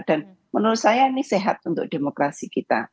dan menurut saya ini sehat untuk demokrasi kita